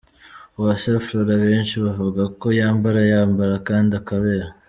Uwase Flora benshi bavuga ko yambara yambara kandi akabera .